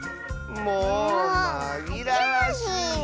もうまぎらわしいよ。